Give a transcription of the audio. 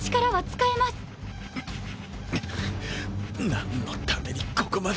なんのためにここまで。